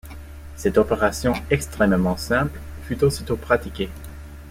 Cette opération extrêmement simple, fut aussitôt pratiquée.